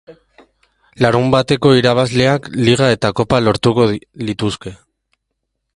Larunbateko irabazleak liga eta kopa lortuko lituzke.